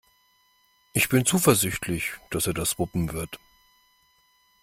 Ich bin zuversichtlich, dass er das wuppen wird.